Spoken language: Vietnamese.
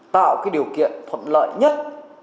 tạo cái điều kiện thuận lợi nhất